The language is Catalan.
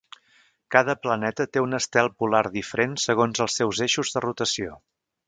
Cada planeta té un estel polar diferent segons els seus eixos de rotació.